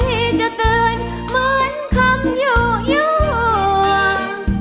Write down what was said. ที่จะตื่นเหมือนคำอยู่อย่วง